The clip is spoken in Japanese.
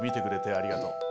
ありがとう。